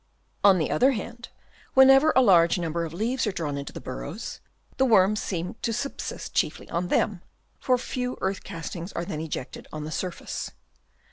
On the other hand, whenever a large number of leaves are drawn into the burrows, the worms seem to subsist chiefly on them, for few earth castings are then ejected on the surface.